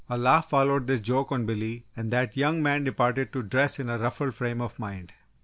A laugh followed this joke on Billy and that young man departed to dress in a ruffled frame of mind.